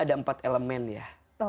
ada empat elemen ya